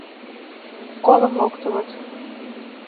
— Школым локтылыт...